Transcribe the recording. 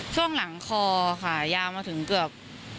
ช่วงหลังคอค่ะยาวมาถึงเกือบ